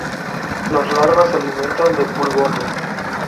Las larvas se alimentan de pulgones.